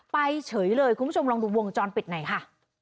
ไปเฉยเลยคุณผู้ชมลองดูวงจรปิดหน่อยค่ะ